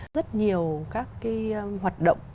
rất nhiều các cái hoạt động